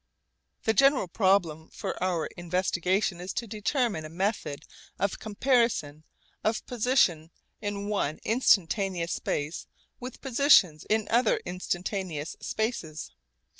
The general problem for our investigation is to determine a method of comparison of position in one instantaneous space with positions in other instantaneous spaces.